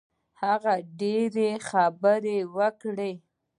هغه ډېرې خبرې وکړې.